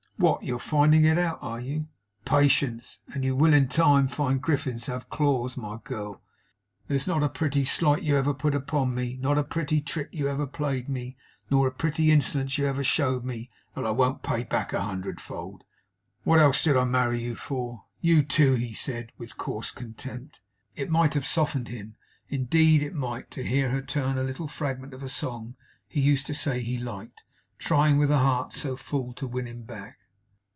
'What! you're finding it out, are you! Patience, and you will in time! Griffins have claws, my girl. There's not a pretty slight you ever put upon me, nor a pretty trick you ever played me, nor a pretty insolence you ever showed me, that I won't pay back a hundred fold. What else did I marry you for? YOU, too!' he said, with coarse contempt. It might have softened him indeed it might to hear her turn a little fragment of a song he used to say he liked; trying, with a heart so full, to win him back.